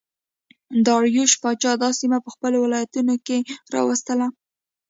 داریوش پاچا دا سیمه په خپلو ولایتونو کې راوستله